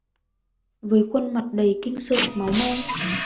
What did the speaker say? Với khuôn mặt đầy kinh sợ máu me